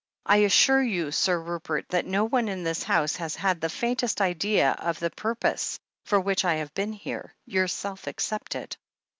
"I assure you, Sir Rupert, that no one in this house has had the faintest idea of the purpose for which I have been here — ^yourself excepted.